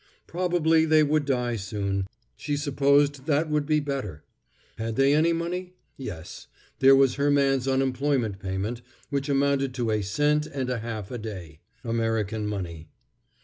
Probably they would die soon—she supposed that would be better. Had they any money? Yes, there was her man's unemployment payment, which amounted to a cent and a half a day, American money.